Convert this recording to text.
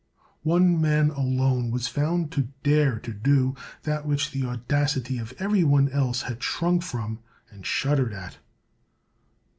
One man alone was found to dare to do that which the audacity of every one else had shrunk from and shuddered at.